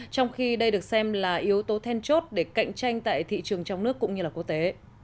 trong khi đây được xem là yếu tố then chốt để cạnh tranh tại thị trường trong nước cũng như là quốc tế